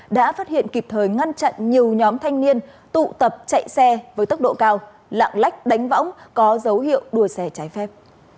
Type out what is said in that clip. đã phát hiện kịp thời ngăn chặn nhiều nhóm thanh niên tụ tập chạy xe với tốc độ cao lạng lách đánh võng có dấu hiệu đua xe trái phép